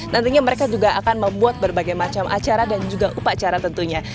nantinya mereka juga akan membuat berbagai macam acara dan juga upacara tentunya